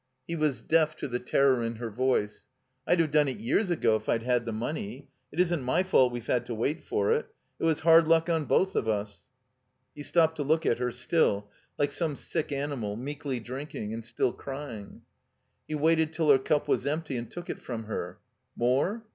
He was deaf to the terror in her voice. "I'd have done it years ago if I'd had the money. It isn't my fault we've had to wait for it. It was hard luck on both of us." He stopped to look at her, still, Uke some sick animal, meekly drinking, and still crying. He waited till her cup was empty and took it from her. "More?"